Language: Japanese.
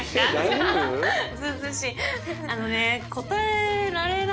あのね。